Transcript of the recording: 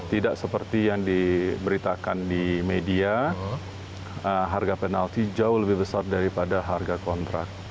tidak seperti yang diberitakan di media harga penalti jauh lebih besar daripada harga kontrak